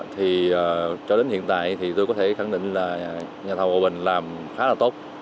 thì cho đến hiện tại thì tôi có thể khẳng định là nhà thầu hòa bình làm khá là tốt